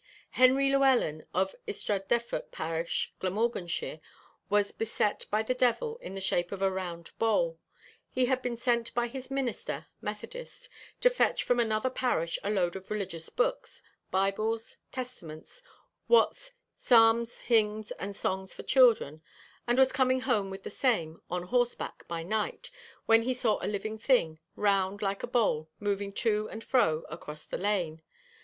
Henry Llewelyn, of Ystrad Defoc parish, Glamorganshire, was beset by the devil in the shape of a round bowl. He had been sent by his minister (Methodist) to fetch from another parish a load of religious books Bibles, Testaments, Watts' 'Psalms, Hymns and Songs for Children' and was coming home with the same, on horseback, by night, when he saw a living thing, round like a bowl, moving to and fro across the lane.